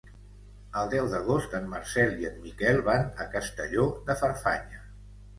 El deu d'agost en Marcel i en Miquel van a Castelló de Farfanya.